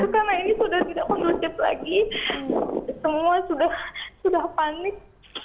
karena ini sudah tidak kondusif lagi semua sudah panik